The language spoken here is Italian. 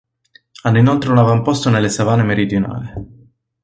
Hanno inoltre un avamposto nelle Savane Meridionale.